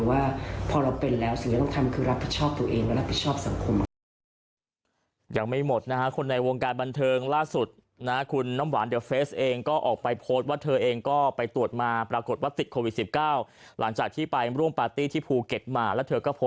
ว่าพอเราเป็นแล้วสิ่งที่เราต้องทำคือ